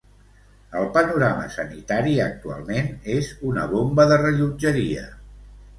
El panorama sanitari actualment és una bomba de rellotgeria.